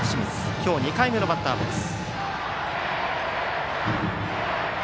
今日２回目のバッターボックス。